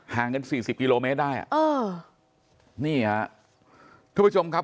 ห่างกันสี่สิบกิโลเมตรได้อ่ะเออนี่ฮะทุกผู้ชมครับ